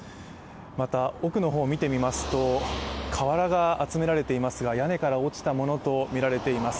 また、奥の方を見てみますと、瓦が集められていますが屋根から落ちたものとみられています。